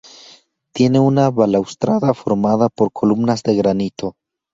Tiene una balaustrada formada por columnas de granito.